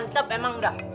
coba emang udah